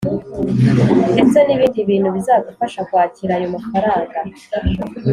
Ndetse n’ibindi bintu bizagufasha kwakira ayo mafaranga